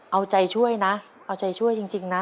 เอาใจช่วยนะเอาใจช่วยจริงนะ